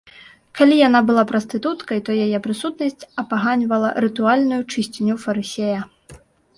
Калі яна была прастытуткай, то яе прысутнасць апаганьвала рытуальную чысціню фарысея.